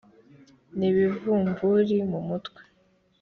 n’ibivumvuri mu mutwe